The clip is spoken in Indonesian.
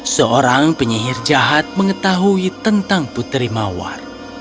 seorang penyihir jahat mengetahui tentang putri mawar